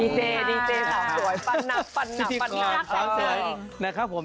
ดีเจดีเจสาวสวยปันนับปันนับปันนับ